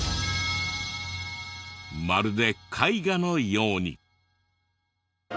まるで絵画のように。